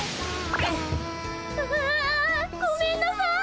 ああごめんなさい。